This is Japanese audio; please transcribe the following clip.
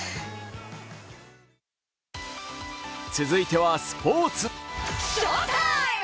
続いてはスポーツ。